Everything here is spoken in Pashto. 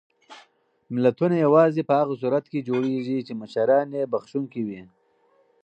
ملتونه یوازې په هغه صورت کې جوړېږي چې مشران یې بښونکي وي.